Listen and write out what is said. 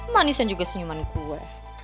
manisnya juga senyuman gue